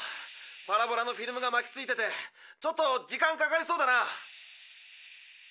パラボラのフィルムが巻きついててちょっと時間かかりそうだな。